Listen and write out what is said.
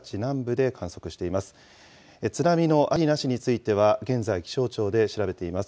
津波のありなしについては現在、気象庁で調べています。